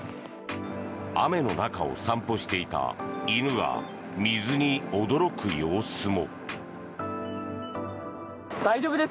雨の中を散歩していた犬が水に驚く様子も。